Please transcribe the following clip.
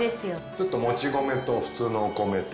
ちょっともち米と普通のお米と。